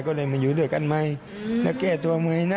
ก็เลยมาอยู่ด้วยกันใหม่แล้วแก้ตัวใหม่นะ